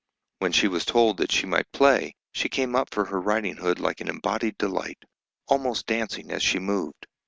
When she was told that she might play, she came up for her riding hood like an embodied delight, almost dancing as she moved.